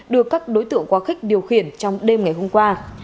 được các đối tượng quá khích điều khiển trong đêm ngày hôm qua